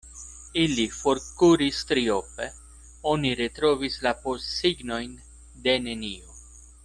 Ili forkuris triope: oni retrovis la postsignojn de neniu.